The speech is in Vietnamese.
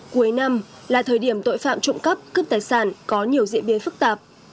cuối năm là thời điểm tội phạm trụng cấp cướp tài sản có nhiều diễn biến phức tạp